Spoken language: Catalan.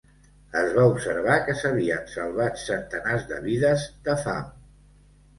Es va observar que s'havien salvat centenars de vides de fam.